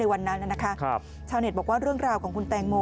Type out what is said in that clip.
วันนั้นนะคะชาวเน็ตบอกว่าเรื่องราวของคุณแตงโม